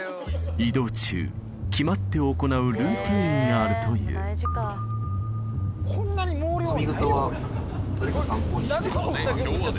移動中決まって行うルーティンがあるといういやもう。